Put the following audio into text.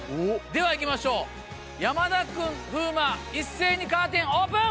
では行きましょう山田君風磨一斉にカーテンオープン！